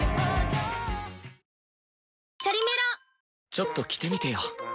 ちょっと着てみてよ！